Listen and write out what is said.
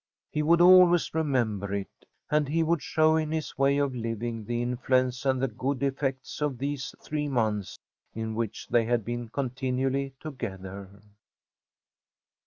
He would always remember it, and he would show in his way of living the influence and the good effects of these three months in which they had been continually together.